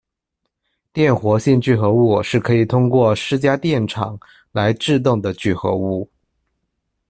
电活性聚合物是可以通过施加电场来致动的聚合物。